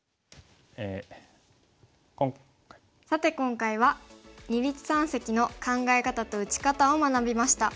さて今回は二立三析の考え方と打ち方を学びました。